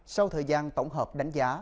sau thời gian tổng hợp đánh giá